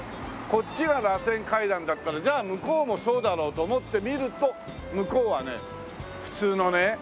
こっちがらせん階段だったらじゃあ向こうもそうだろうと思って見ると向こうはね普通のね階段なの。